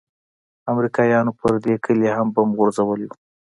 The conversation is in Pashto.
امريکايانو پر دې كلي هم بم غورځولي وو.